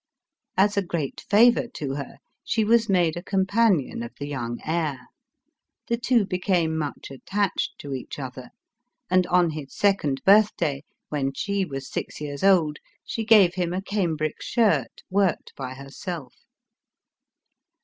As a great favor to her, she was made a companion of the young heir; the two be came much attached to each other; and, on his second birth day, when she was six years old, she gave him a cambric shirt worked by herself.